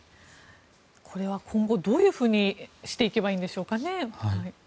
これは今後どういうふうにしていけばいいんでしょうかね。